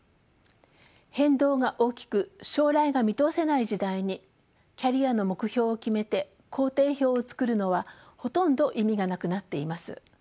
変動が大きく将来が見通せない時代にキャリアの目標を決めて行程表を作るのはほとんど意味がなくなっています。